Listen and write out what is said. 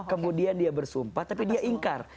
kemudian dia bersumpah tapi dia ingkar